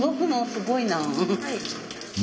すごいな。